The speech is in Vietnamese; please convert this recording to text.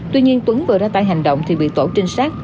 tuy nhiên tuấn vừa ra tay hành động thì bị tổ trinh sát